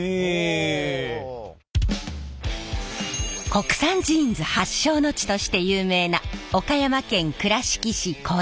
国産ジーンズ発祥の地として有名な岡山県倉敷市児島。